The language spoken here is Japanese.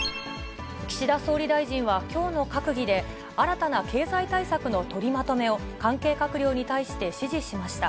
岸田総理大臣はきょうの閣議で、新たな経済対策の取りまとめを、関係閣僚に対して指示しました。